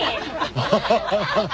アハハハハ。